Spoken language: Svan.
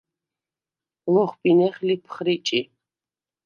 ლოხბინეხ ლიფხრიჭი.